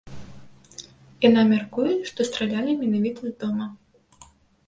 Яна мяркуе, што стралялі менавіта з дома.